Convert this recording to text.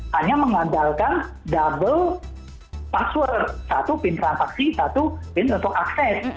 hanya mengandalkan double password satu pin transaksi satu pin untuk akses